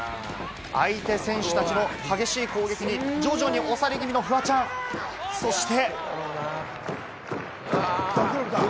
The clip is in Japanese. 相手選手たちの激しい攻撃に徐々に押され気味なフワちゃん、そして。